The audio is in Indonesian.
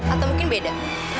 atau mungkin beda